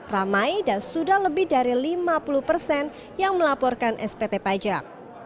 ramai dan sudah lebih dari lima puluh persen yang melaporkan spt pajak